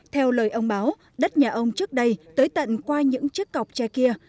theo lời ông báo đất nhà ông trước đây tới tận qua những chiếc cọc tre kia